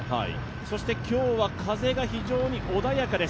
そして今日は風が非常に穏やかです。